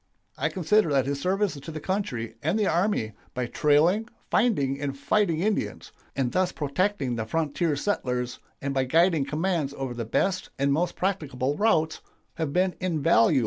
I consider that his services to the country and the army by trailing, finding, and fighting Indians, and thus protecting the frontier settlers, and by guiding commands over the best and most practicable routes, have been invaluable."